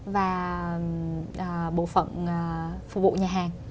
và bộ phận phục vụ nhà hàng